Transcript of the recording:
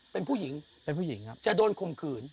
เป็นผู้หญิงจะโดนคงคืน